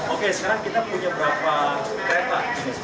oke sekarang kita punya berapa kereta